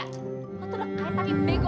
lo tuh kaya tapi bego